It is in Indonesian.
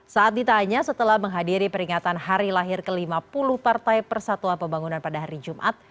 saat ditanya setelah menghadiri peringatan hari lahir ke lima puluh partai persatuan pembangunan pada hari jumat